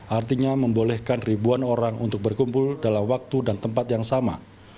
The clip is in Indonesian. artinya membolehkan ribuan orang untuk berkumpul dalam waktu dan tempat yang sama